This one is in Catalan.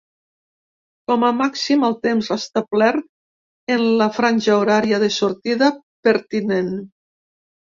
Com a màxim el temps establert en la franja horària de sortida pertinent.